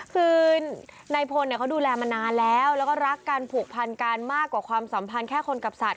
คือนายพลเขาดูแลมานานแล้วแล้วก็รักกันผูกพันกันมากกว่าความสัมพันธ์แค่คนกับสัตว